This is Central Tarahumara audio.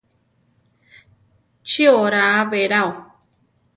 ¿Chi oraa beráo?